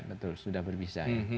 betul sudah berbisa ya